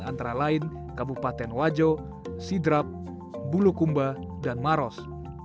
antara lain kabupaten wajo sidrap bulukumba dan maros